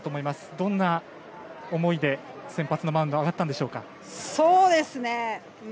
どんな思いで先発のマウンドに上がったんでしょうか？